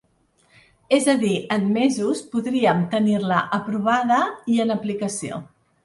És a dir, en mesos, podríem tenir-la aprovada i en aplicació.